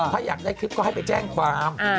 ถ้าอยากได้คลิปก็ให้ไปแจ้งความ